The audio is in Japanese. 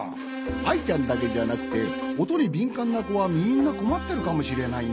アイちゃんだけじゃなくておとにびんかんなこはみんなこまってるかもしれないね。